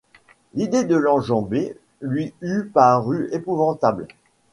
L’idée de l’enjamber lui eût paru épouvantable.